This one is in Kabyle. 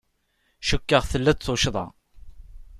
Cikkeɣ tella-d tuccḍa.